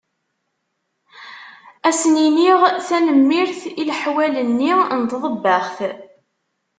Ad asen-iniɣ tanemmirt i leḥwal-nni n tḍebbaxt.